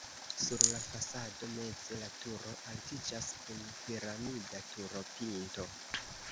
Sur la fasado meze la turo altiĝas kun piramida turopinto.